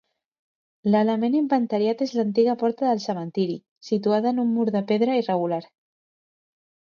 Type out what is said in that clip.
L'element inventariat és l'antiga porta del cementiri, situada en un mur de pedra irregular.